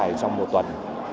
kéo dài trong một tuần